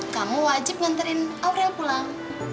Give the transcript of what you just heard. kamu wajib nganterin aurel pulang